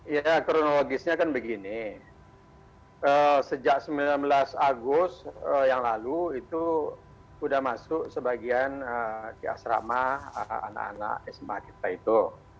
ya kronologisnya kan begini sejak sembilan belas agustus yang lalu itu sudah masuk sebagian di asrama anak anak sma kita itu